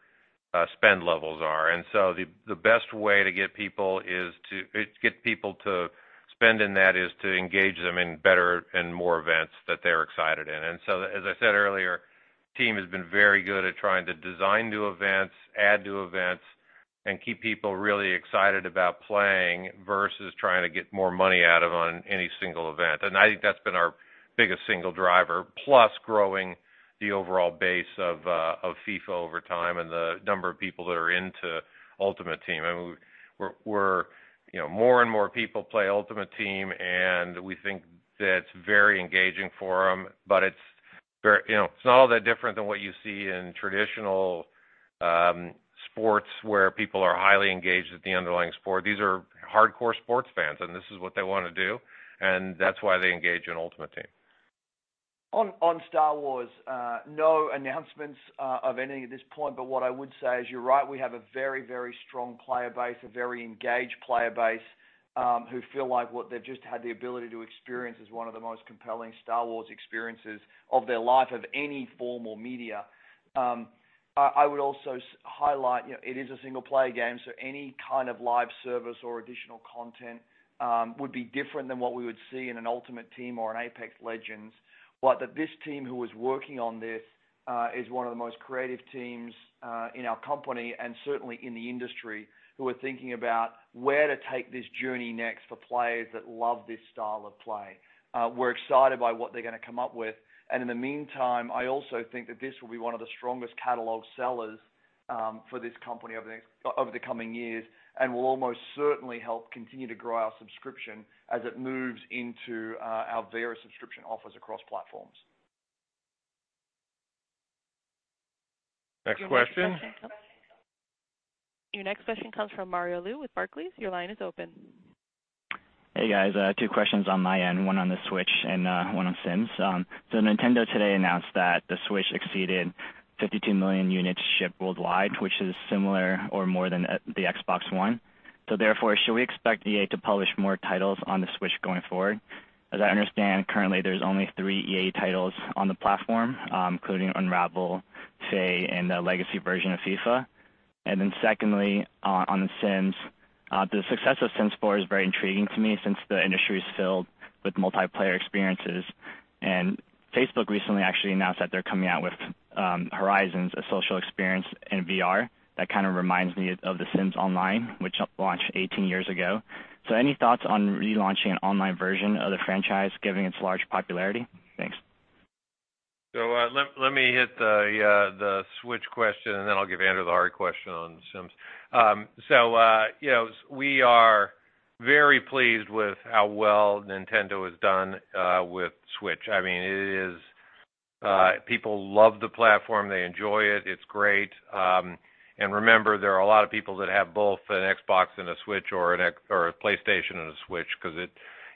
spend levels are. The best way to get people to spend in that is to engage them in better and more events that they're excited in. As I said earlier, team has been very good at trying to design new events, add new events, and keep people really excited about playing versus trying to get more money out of on any single event. I think that's been our biggest single driver, plus growing the overall base of FIFA over time and the number of people that are into Ultimate Team. More and more people play Ultimate Team, and we think that's very engaging for them. It's not all that different than what you see in traditional sports where people are highly engaged with the underlying sport. These are hardcore sports fans, and this is what they want to do, and that's why they engage in Ultimate Team. On Star Wars, no announcements of any at this point. What I would say is, you're right, we have a very strong player base, a very engaged player base, who feel like what they've just had the ability to experience is one of the most compelling Star Wars experiences of their life, of any form or media. I would also highlight, it is a single-player game, so any kind of live service or additional content would be different than what we would see in an Ultimate Team or an Apex Legends. That this team who was working on this is one of the most creative teams in our company and certainly in the industry, who are thinking about where to take this journey next for players that love this style of play. We're excited by what they're going to come up with. In the meantime, I also think that this will be one of the strongest catalog sellers for this company over the coming years and will almost certainly help continue to grow our subscription as it moves into our various subscription offers across platforms. Next question. Your next question comes from Mario Lu with Barclays. Your line is open. Hey, guys. Two questions on my end, one on the Switch and one on The Sims. Nintendo today announced that the Switch exceeded 52 million units shipped worldwide, which is similar or more than the Xbox One. Therefore, should we expect EA to publish more titles on the Switch going forward? As I understand, currently, there's only three EA titles on the platform, including Unravel, Fe, and a legacy version of FIFA. Secondly, on The Sims, the success of Sims 4 is very intriguing to me since the industry is filled with multiplayer experiences. Facebook recently actually announced that they're coming out with Horizon, a social experience in VR that kind of reminds me of The Sims Online, which launched 18 years ago. Any thoughts on relaunching an online version of the franchise, given its large popularity? Thanks. Let me hit the Switch question, and then I'll give Andrew the hard question on Sims. We are very pleased with how well Nintendo has done with Switch. People love the platform. They enjoy it. It's great. Remember, there are a lot of people that have both an Xbox and a Switch or a PlayStation and a Switch because it,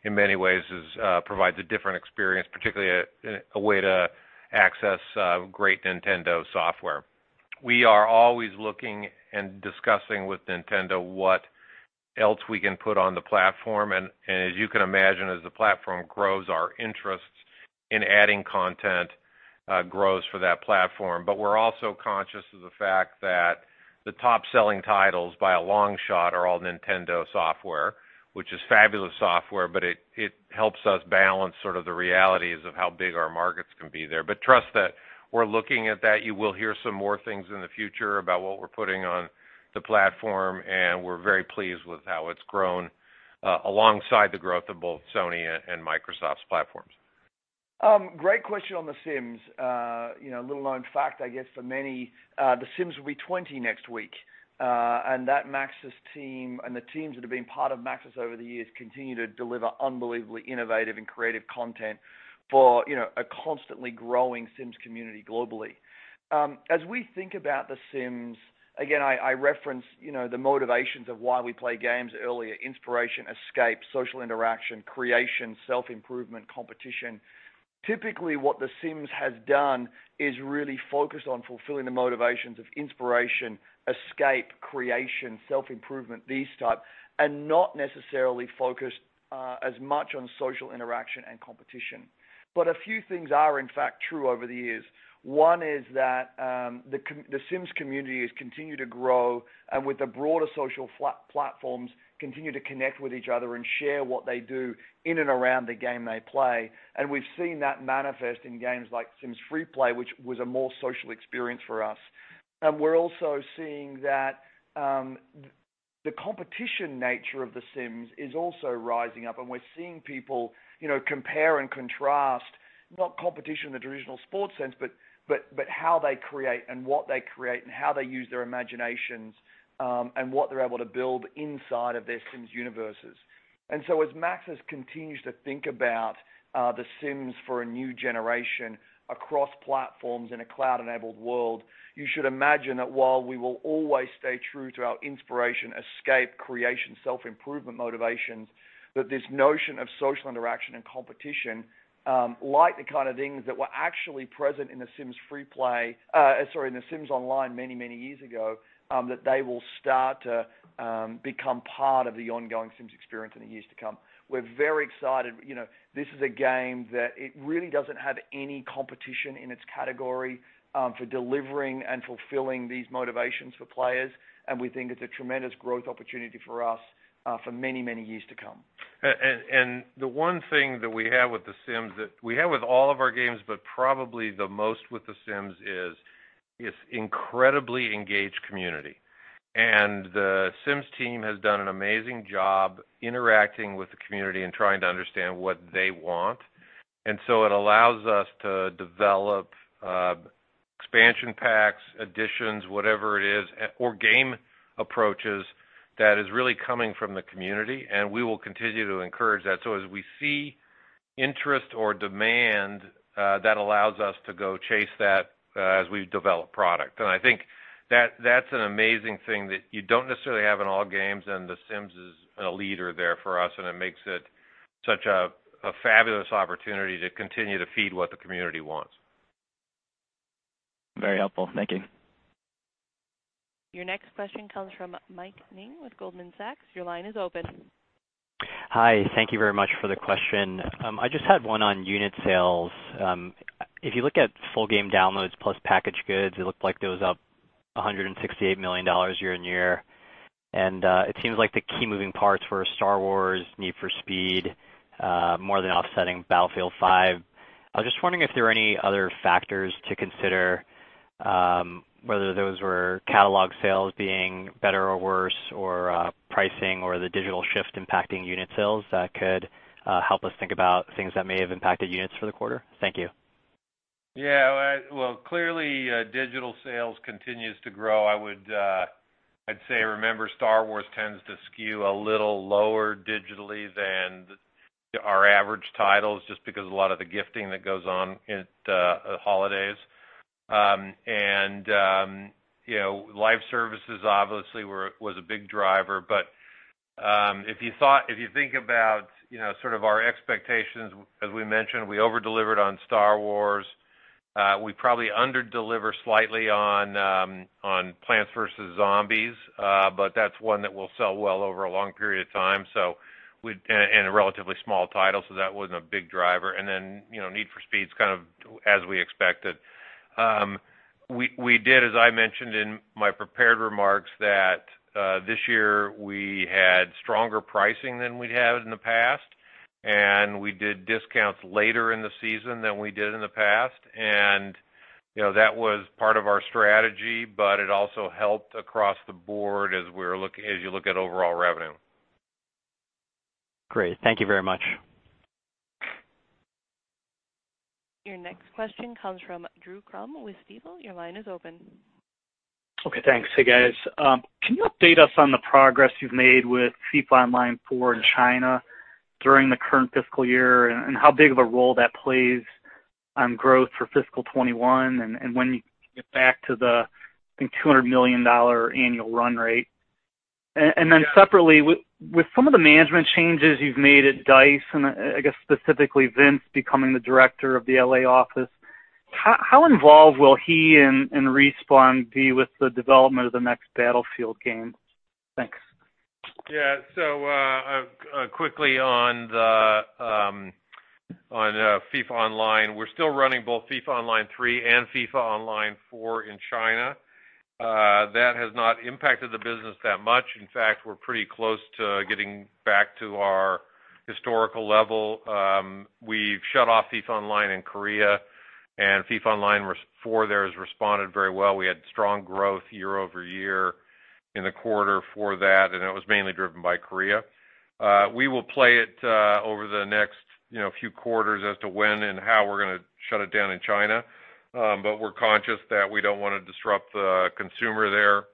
in many ways, provides a different experience, particularly a way to access great Nintendo software. We are always looking and discussing with Nintendo what else we can put on the platform. As you can imagine, as the platform grows, our interest in adding content grows for that platform. We're also conscious of the fact that the top-selling titles by a long shot are all Nintendo software, which is fabulous software, but it helps us balance sort of the realities of how big our markets can be there. Trust that we're looking at that. You will hear some more things in the future about what we're putting on the platform, and we're very pleased with how it's grown alongside the growth of both Sony and Microsoft's platforms. Great question on The Sims. A little known fact, I guess, for many, The Sims will be 20 next week. That Maxis team and the teams that have been part of Maxis over the years continue to deliver unbelievably innovative and creative content for a constantly growing Sims community globally. As we think about The Sims, again, I reference the motivations of why we play games earlier, inspiration, escape, social interaction, creation, self-improvement, competition. Typically, what The Sims has done is really focus on fulfilling the motivations of inspiration, escape, creation, self-improvement, these type, and not necessarily focus as much on social interaction and competition. A few things are, in fact, true over the years. One is that The Sims community has continued to grow, with the broader social platforms, continue to connect with each other and share what they do in and around the game they play. We've seen that manifest in games like Sims FreePlay, which was a more social experience for us. We're also seeing that the competition nature of The Sims is also rising up, and we're seeing people compare and contrast, not competition in the traditional sports sense, but how they create and what they create and how they use their imaginations, and what they're able to build inside of their Sims universes. As Maxis continues to think about The Sims for a new generation across platforms in a cloud-enabled world, you should imagine that while we will always stay true to our inspiration, escape, creation, self-improvement motivations, that this notion of social interaction and competition like the kind of things that were actually present in The Sims Online many, many years ago, that they will start to become part of the ongoing Sims experience in the years to come. We're very excited. This is a game that it really doesn't have any competition in its category for delivering and fulfilling these motivations for players. We think it's a tremendous growth opportunity for us for many, many years to come. The one thing that we have with The Sims that we have with all of our games, but probably the most with The Sims is, incredibly engaged community. The Sims team has done an amazing job interacting with the community and trying to understand what they want. It allows us to develop expansion packs, additions, whatever it is, or game approaches that is really coming from the community, and we will continue to encourage that. As we see interest or demand that allows us to go chase that as we develop product. I think that's an amazing thing that you don't necessarily have in all games, and The Sims is a leader there for us, and it makes it such a fabulous opportunity to continue to feed what the community wants. Very helpful. Thank you. Your next question comes from Mike Ng with Goldman Sachs. Your line is open. Hi. Thank you very much for the question. I just had one on unit sales. If you look at full game downloads plus package goods, it looked like that was up $168 million year-over-year. It seems like the key moving parts were Star Wars, Need for Speed, more than offsetting Battlefield V. I was just wondering if there are any other factors to consider, whether those were catalog sales being better or worse, or pricing or the digital shift impacting unit sales that could help us think about things that may have impacted units for the quarter. Thank you. Yeah. Well, clearly digital sales continues to grow. I'd say remember Star Wars tends to skew a little lower digitally than our average titles, just because a lot of the gifting that goes on at the holidays. Live services obviously was a big driver. If you think about our expectations, as we mentioned, we over-delivered on Star Wars. We probably under-deliver slightly on Plants vs. Zombies. That's one that will sell well over a long period of time and a relatively small title, so that wasn't a big driver. Need for Speed is as we expected. We did, as I mentioned in my prepared remarks, that this year we had stronger pricing than we'd had in the past, and we did discounts later in the season than we did in the past. That was part of our strategy, but it also helped across the board as you look at overall revenue. Great. Thank you very much. Your next question comes from Drew Crum with Stifel. Your line is open. Okay. Thanks. Hey, guys. Can you update us on the progress you've made with FIFA Online 4 in China during the current fiscal year, and how big of a role that plays on growth for fiscal 2021 and when you get back to the $200 million annual run rate? Separately, with some of the management changes you've made at DICE, and I guess specifically Vince becoming the director of the L.A. office, how involved will he and Respawn be with the development of the next Battlefield game? Thanks. Yeah. Quickly on FIFA Online, we're still running both FIFA Online 3 and FIFA Online 4 in China. That has not impacted the business that much. In fact, we're pretty close to getting back to our historical level. We've shut off FIFA Online in Korea, and FIFA Online 4 there has responded very well. We had strong growth year-over-year in the quarter for that, and it was mainly driven by Korea. We will play it over the next few quarters as to when and how we're going to shut it down in China. We're conscious that we don't want to disrupt the consumer there.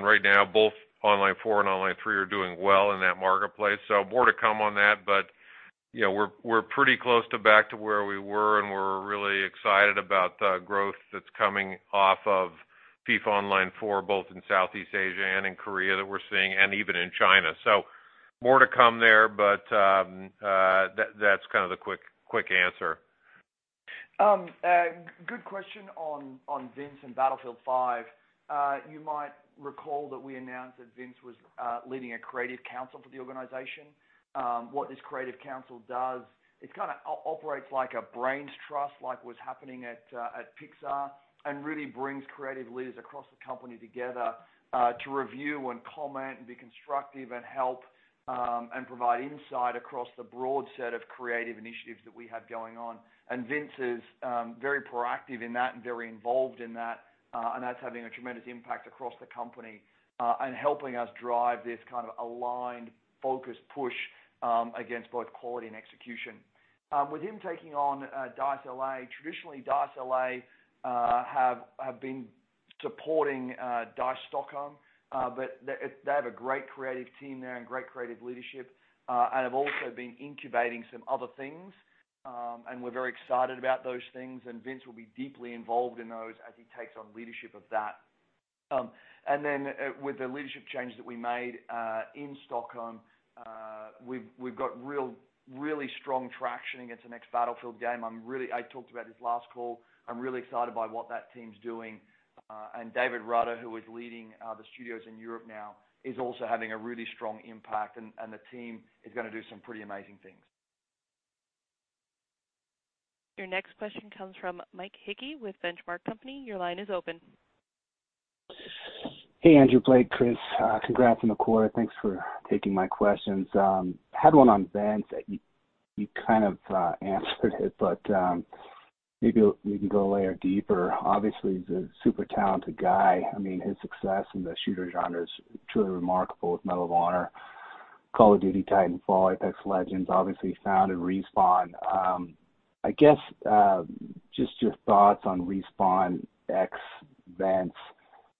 Right now, both Online 4 and Online 3 are doing well in that marketplace. More to come on that, but we're pretty close to back to where we were, and we're really excited about the growth that's coming off of FIFA Online 4, both in Southeast Asia and in Korea that we're seeing, and even in China. More to come there, but that's kind of the quick answer. Good question on Vince and Battlefield V. You might recall that we announced that Vince was leading a creative council for the organization. What this creative council does, it kind of operates like a brains trust, like what's happening at Pixar, and really brings creative leaders across the company together to review and comment and be constructive and help and provide insight across the broad set of creative initiatives that we have going on. Vince is very proactive in that and very involved in that. That's having a tremendous impact across the company and helping us drive this kind of aligned, focused push against both quality and execution. With him taking on DICE L.A., traditionally DICE L.A. have been supporting DICE Stockholm. They have a great creative team there and great creative leadership, and have also been incubating some other things. We're very excited about those things, and Vince will be deeply involved in those as he takes on leadership of that. Then with the leadership changes that we made in Stockholm, we've got really strong traction against the next Battlefield game. I talked about this last call. I'm really excited by what that team's doing. David Rutter, who is leading the studios in Europe now, is also having a really strong impact, and the team is going to do some pretty amazing things. Your next question comes from Mike Hickey with Benchmark Company. Your line is open. Hey, Andrew, Blake, Chris. Congrats on the quarter. Thanks for taking my questions. I had one on Vince that you kind of answered it. Maybe we can go a layer deeper. Obviously, he's a super talented guy. I mean, his success in the shooter genre is truly remarkable with Medal of Honor, Call of Duty, Titanfall, Apex Legends, obviously founded Respawn. I guess, just your thoughts on Respawn ex Vince,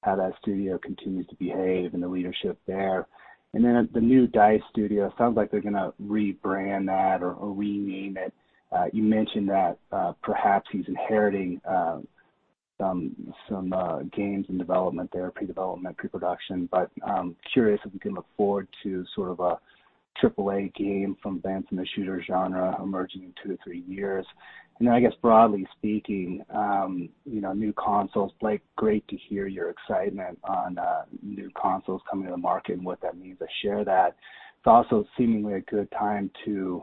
how that studio continues to behave and the leadership there. At the new DICE studio, sounds like they're going to rebrand that or rename it. You mentioned that perhaps he's inheriting some games in development there, pre-development, pre-production. I'm curious if we can look forward to sort of a triple A game from Vince in the shooter genre emerging in two to three years. I guess broadly speaking, new consoles. Blake, great to hear your excitement on new consoles coming to the market and what that means. I share that. It's also seemingly a good time to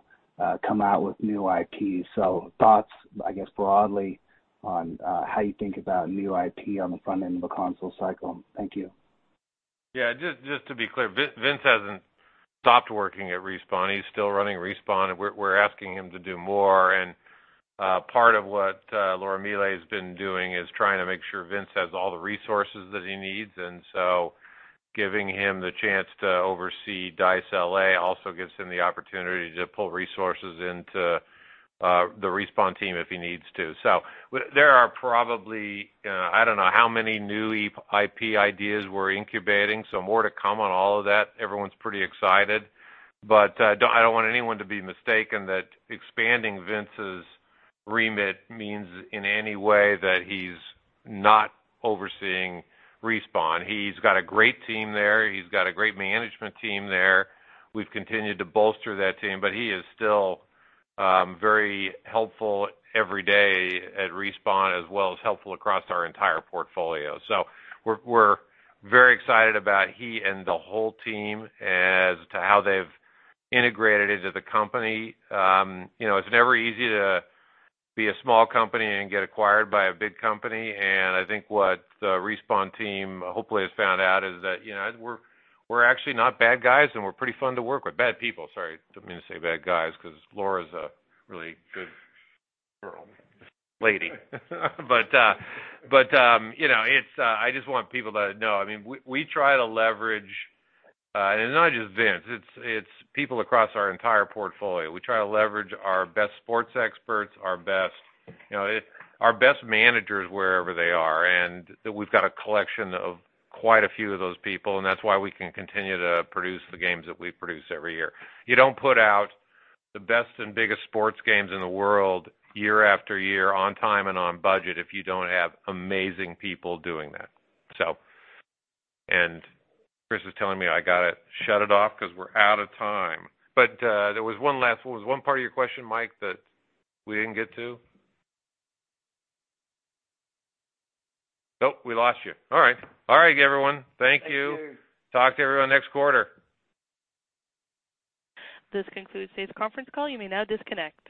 come out with new IP. Thoughts, I guess, broadly on how you think about new IP on the front end of a console cycle. Thank you. Yeah, just to be clear, Vince hasn't stopped working at Respawn. He's still running Respawn, and we're asking him to do more, and part of what Laura Miele has been doing is trying to make sure Vince has all the resources that he needs. Giving him the chance to oversee DICE L.A. also gives him the opportunity to pull resources into the Respawn team if he needs to. There are probably, I don't know how many new IP ideas we're incubating, more to come on all of that. Everyone's pretty excited. I don't want anyone to be mistaken that expanding Vince's remit means in any way that he's not overseeing Respawn. He's got a great team there. He's got a great management team there. We've continued to bolster that team, but he is still very helpful every day at Respawn as well as helpful across our entire portfolio. We're very excited about he and the whole team as to how they've integrated into the company. It's never easy to be a small company and get acquired by a big company. I think what the Respawn team hopefully has found out is that we're actually not bad guys and we're pretty fun to work with. Bad people, sorry, didn't mean to say bad guys because Laura's a really good girl. Lady. I just want people to know, we try to leverage, and not just Vince, it's people across our entire portfolio. We try to leverage our best sports experts, our best managers wherever they are. We've got a collection of quite a few of those people, and that's why we can continue to produce the games that we produce every year. You don't put out the best and biggest sports games in the world year-after-year on time and on budget if you don't have amazing people doing that. Chris is telling me I got to shut it off because we're out of time. There was one part of your question, Mike, that we didn't get to? Nope, we lost you. All right. All right, everyone. Thank you. Thank you. Talk to everyone next quarter. This concludes today's conference call. You may now disconnect.